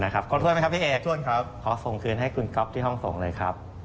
นะครับขอโทษแล้วไหมครับพี่เอกขอส่งคืนให้คุณก๊อฟที่ห้องส่งเลยครับ